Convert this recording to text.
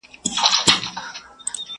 اوس به د چا منتر ته ناڅي سره او ژړ ګلونه!